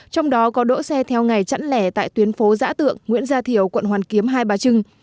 trong đó có đỗ xe theo ngày chẵn lẻ tại tuyến phố giã tượng nguyễn gia thiểu quận hoàn kiếm hai bà trưng